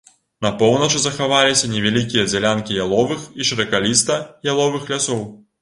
На поўначы захаваліся невялікія дзялянкі яловых і шыракаліста-яловых лясоў.